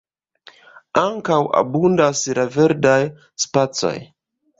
Ankaŭ abundas la verdaj spacoj.